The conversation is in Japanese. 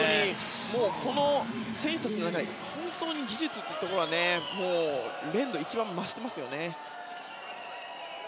この選手たちっていうのは本当に技術というところは練度が一番増していますね。